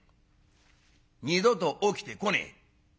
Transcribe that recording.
「二度と起きてこねえ」。